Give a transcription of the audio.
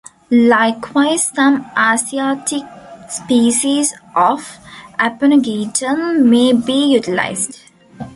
Likewise, some Asiatic species of "Aponogeton" may be utilised.